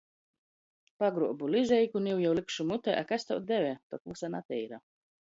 Pagruobu lizeiku, niu jau likšu mutē, a kas tev deve, tok vysa nateira!